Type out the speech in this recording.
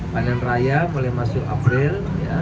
panen raya mulai masuk april